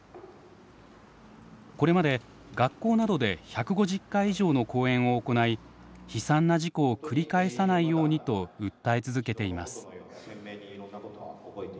これまで学校などで１５０回以上の講演を行い悲惨な事故を繰り返さないようにと訴え続けています。